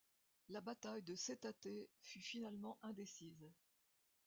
La bataille de Cetate fut finalement indécise.